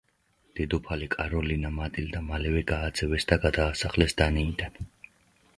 დედოფალი კაროლინა მატილდა მალევე გააძევეს და გადაასახლეს დანიიდან.